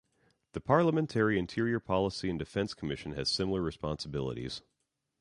The Parliamentary Interior Policy and Defence Commission has similar responsibilities.